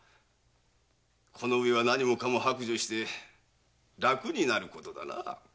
このうえは何もかも白状して楽になることだなあ。